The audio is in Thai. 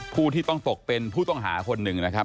ผู้ที่ต้องตกเป็นผู้ต้องหาคนหนึ่งนะครับ